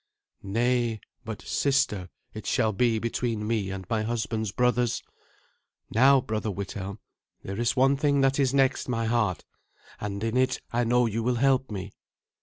"Nay; but 'sister' it shall be between me and my husband's brothers. Now, brother Withelm, there is one thing that is next my heart, and in it I know you will help me."